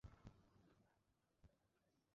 আমি তোমাকে বিঘ্নেশের নম্বর পাঠিয়েছি।